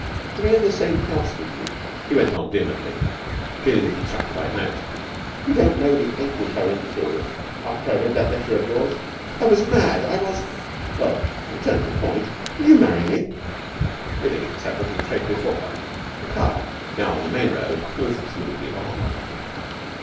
To be in the same house with you!" he went on vehemently feeling that he had struck the right note. "You don't know the anguish I went through after I read that letter of yours. I was mad! I was ... well, to return to the point, will you marry me?" Billie sat looking straight before her. The car, now on the main road, moved smoothly on.